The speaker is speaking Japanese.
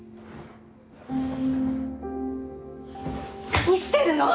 何してるの！？